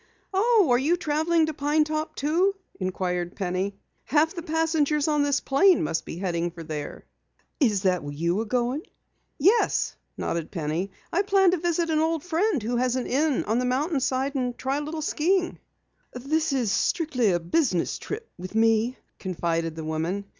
"Oh, are you traveling to Pine Top, too?" inquired Penny. "Half the passengers on this plane must be heading for there." "Is that where you are going?" "Yes," nodded Penny. "I plan to visit an old friend who has an Inn on the mountain side, and try a little skiing." "This is strictly a business trip with me," confided the woman.